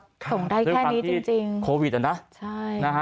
สมได้แค่นี้จริงนะครับใช่ความที่โควิดนะครับ